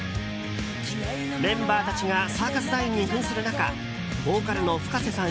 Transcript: メンバーたちがサーカス団員に扮する中ボーカルのＦｕｋａｓｅさん